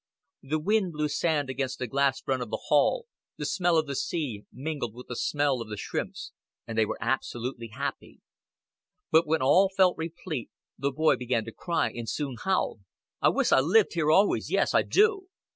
The wind blew sand against the glass front of the hall the smell of the sea mingled with the smell of the shrimps and they were absolutely happy. But when all felt replete the boy began to cry, and soon howled. "I wis' I lived here always, yes, I do."